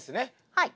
はい。